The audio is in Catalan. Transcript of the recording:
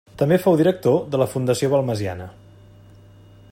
També fou director de la Fundació Balmesiana.